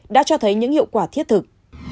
đã cho thấy những hiệu quả thiết thực